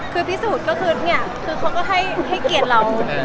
คือพิสูจน์ก็คือเนี่ยคือเขาก็ให้เกียรติเรา